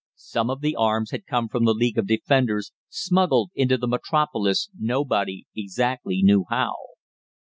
Some of the arms had come from the League of Defenders, smuggled into the Metropolis nobody exactly knew how.